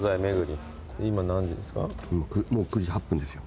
今何時ですか？